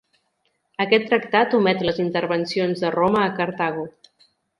Aquest tractat omet les intervencions de Roma a Cartago.